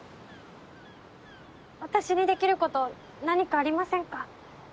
私にできること何かありませんか？